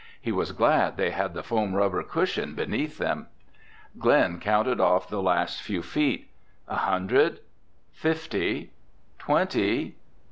He was glad they had the foam rubber cushion beneath them. Glen counted off the last few feet. "A hundred—fifty—twenty—!"